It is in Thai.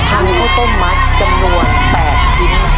ท่านต้องต้มมัดจำนวน๘ชิ้น